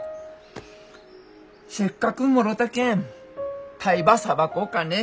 せっかくもろたけんタイばさばこうかね。